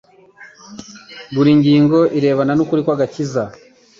Buri ngingo irebana n’ukuri kw’agakiza